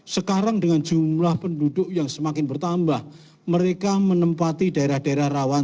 dua ribu dua ratus empat puluh tiga sekarang dengan jumlah penduduk yang semakin bertambah mereka menempati daerah daerah rawan